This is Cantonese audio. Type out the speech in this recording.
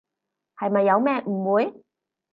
係咪有咩誤會？